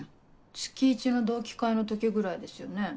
月１の同期会の時ぐらいですよね。